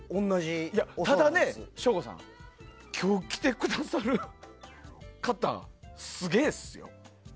ただね、省吾さん今日来てくださる方すげえっすよ！